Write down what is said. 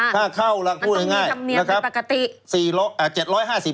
ค่าเข้าล่ะพูดง่ายมันต้องมีคำเนียมปกติ